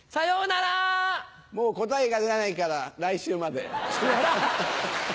もう答えが出ないから来週まで。